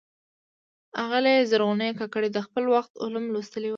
آغلي زرغونې کاکړي د خپل وخت علوم لوستلي ول.